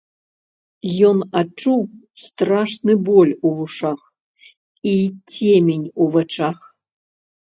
Ён адчуў страшны боль у вушах і цемень у вачах.